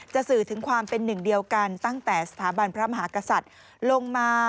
สื่อถึงความเป็นหนึ่งเดียวกันตั้งแต่สถาบันพระมหากษัตริย์ลงมา